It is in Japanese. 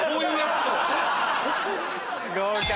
合格！